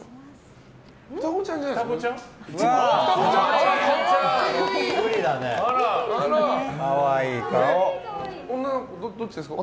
双子ちゃんじゃないですか。